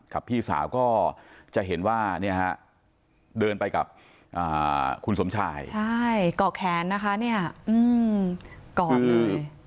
ครับพี่สาวก็จะเห็นว่าเนี้ยฮะเดินไปกับอ่าคุณสมชายใช่กรอกแขนนะคะเนี้ยอืมกรอบเลย